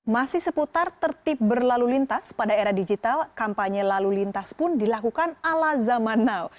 masih seputar tertib berlalu lintas pada era digital kampanye lalu lintas pun dilakukan ala zaman now